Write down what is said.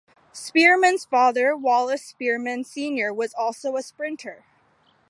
Spearmon's father, Wallace Spearmon Senior was also a sprinter.